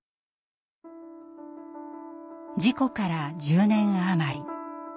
事故から１０年余り。